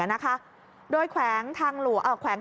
อ่ะนะคะโดยแขวงการทาง